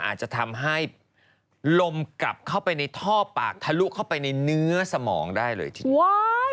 อาจจะทำให้ลมกลับเข้าไปในท่อปากทะลุเข้าไปในเนื้อสมองได้เลยทีเดียว